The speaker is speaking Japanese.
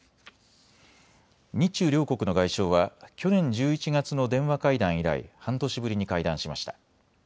日中両国の外相は去年１１月の電話会談以来、半年ぶりに会談しました。